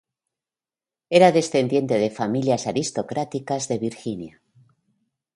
Era descendiente de familias aristocráticas de Virginia.